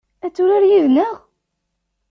Ad turar yid-neɣ?